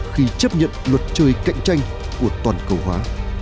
khi chấp nhận luật chơi cạnh tranh của toàn cầu hóa